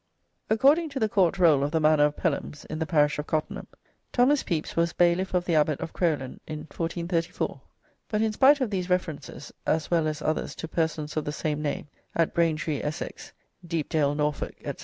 According to the Court Roll of the manor of Pelhams, in the parish of Cottenham, Thomas Pepys was "bayliffe of the Abbot of Crowland in 1434," but in spite of these references, as well as others to persons of the same name at Braintree, Essex, Depedale, Norfolk, &c.